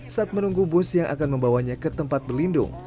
saat menunggu bus yang akan membawanya ke tempat berlindung